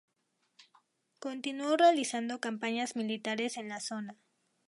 Continuó realizando campañas militares en la zona.